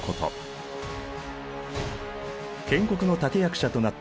建国の立て役者となったレーニン。